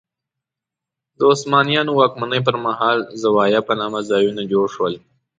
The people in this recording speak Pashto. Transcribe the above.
د عثمانیانو واکمنۍ پر مهال زوايا په نامه ځایونه جوړ شول.